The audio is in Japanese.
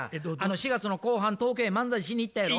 ４月の後半東京へ漫才しに行ったやろ？